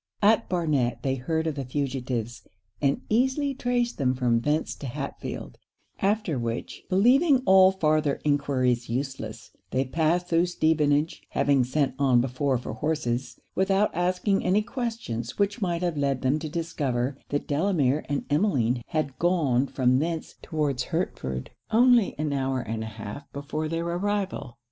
At Barnet, they heard of the fugitives, and easily traced them from thence to Hatfield; after which believing all farther enquiries useless, they passed through Stevenage (having sent on before for horses,) without asking any questions which might have led them to discover that Delamere and Emmeline had gone from thence towards Hertford only an hour and an half before their arrival.